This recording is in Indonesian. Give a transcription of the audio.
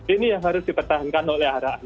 ini yang harus dipertahankan oleh haram